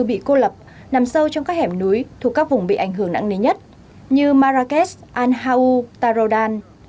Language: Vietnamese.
bị cô lập nằm sâu trong các hẻm núi thuộc các vùng bị ảnh hưởng nặng nề nhất như marrakesh al hau tarodan